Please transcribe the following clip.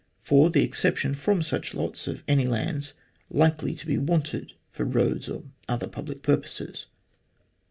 (4) The exception from such lots of any lands likely to be wanted for roads or other public purposes.